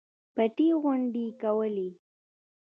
پټې غونډې کولې.